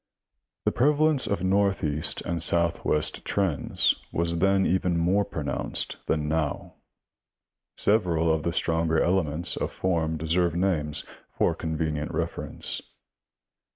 The prevalence of northeast and southwest trends was then even more pronounced than now. Several of the stronger elements of form deserve names, for convenient reference.